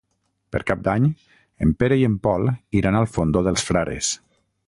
Per Cap d'Any en Pere i en Pol iran al Fondó dels Frares.